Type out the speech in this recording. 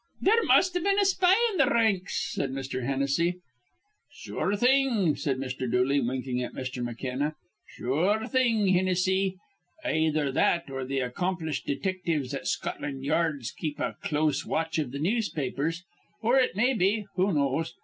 "There must have been a spy in th' ranks," said Mr. Hennessy. "Sure thing," said Mr. Dooley, winking at Mr. McKenna. "Sure thing, Hinnissy. Ayether that or th' accomplished detictives at Scotland Yards keep a close watch iv the newspapers. Or it may be who knows?